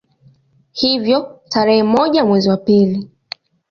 Hivyo tarehe moja mwezi wa pili